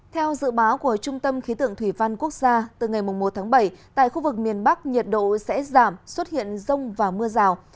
theo dự báo của trung tâm khí tượng thủy văn quốc gia từ ngày một tháng bảy tại khu vực miền bắc nhiệt độ sẽ giảm xuất hiện rông và mưa rào